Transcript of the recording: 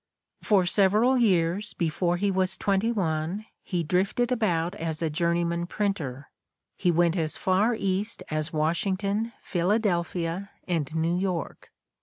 For several years before he was twenty one he drifted about as a journeyman printer: he went as far East as Washington, Philadelphia and New York.